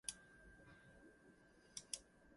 The station now sees only very occasional air traffic.